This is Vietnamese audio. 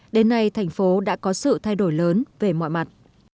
đến nay thành phố đã có sự thay đổi lớn về mọi mặt